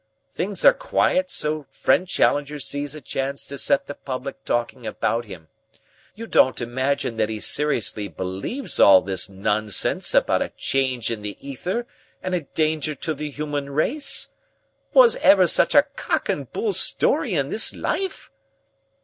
Things are quiet, so friend Challenger sees a chance to set the public talking about him. You don't imagine that he seriously believes all this nonsense about a change in the ether and a danger to the human race? Was ever such a cock and bull story in this life?"